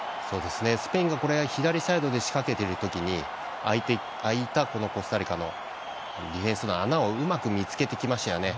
スペインが左サイドで仕掛けている時に空いたコスタリカのディフェンスの穴をうまく見つけてきましたよね。